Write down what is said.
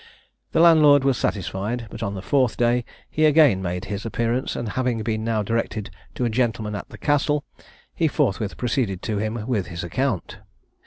The landlord was satisfied; but on the fourth day he again made his appearance, and having been now directed to a gentleman at the Castle, he forthwith proceeded to him with his account.